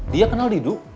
dia kenal didu